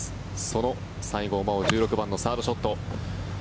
その西郷真央１６番のサードショット。